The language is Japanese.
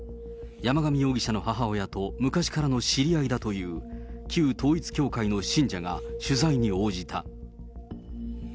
山上容疑者の母親と昔からの知り合いだという旧統一教会の信者が取材に応じた。